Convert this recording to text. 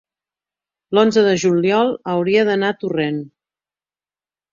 l'onze de juliol hauria d'anar a Torrent.